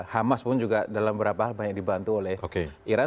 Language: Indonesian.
hamas pun juga dalam beberapa hal banyak dibantu oleh iran